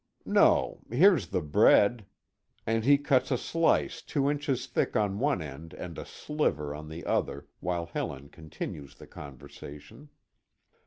"No. Here's the bread," and he cuts a slice two inches thick on one end and a sliver on the other, while Helen continues the conversation.